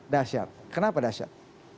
dahsyat kenapa dahsyat